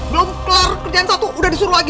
belum kelar kerjaan satu udah disuruh lagi